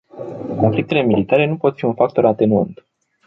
Conflictele militare nu pot fi un factor atenuant.